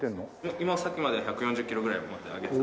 今さっきまで１４０キロぐらい持って上げてた。